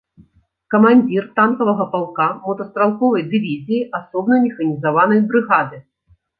Камандзір танкавага палка, мотастралковай дывізіі, асобнай механізаванай брыгады.